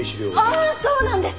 ああそうなんです！